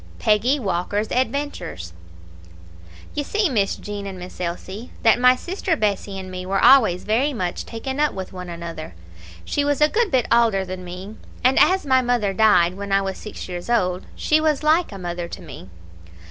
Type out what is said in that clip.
Peggy Walker's Adventures "You see, Miss Jean and Miss Elsie, that my sister Bessie and me were always very much taken up with one another; she was a good bit aulder than me, and as my mother died when I was six years old, she was like a mother to me.